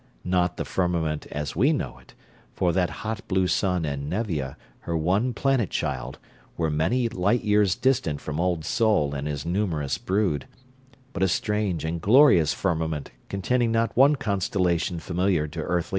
Not the firmament as we know it for that hot blue sun and Nevia, her one planet child, were many light years distant from Old Sol and his numerous brood but a strange and glorious firmament containing not one constellation familiar to earthly eyes.